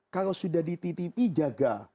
kalau sudah dititipi jaga